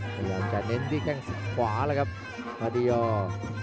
พยายามจะเน้นที่แข้งขวาแล้วครับมาดียอร์